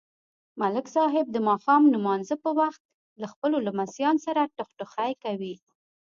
ملک صاحب د ماښام نمانځه په وخت له خپلو لمسیانو سره ټخټخی کوي.